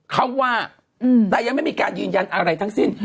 เขาว่าแต่ยังไม่มีการยืนยันอะไรทั้งสิ้น